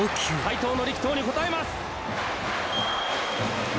斎藤の力投に応えます。